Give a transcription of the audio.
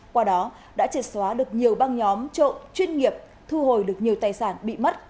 qua đó đã triệt xóa được nhiều băng nhóm trộm chuyên nghiệp thu hồi được nhiều tài sản bị mất